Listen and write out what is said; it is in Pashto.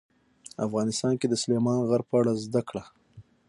افغانستان کې د سلیمان غر په اړه زده کړه.